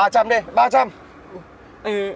cho ba trăm linh đi ba trăm linh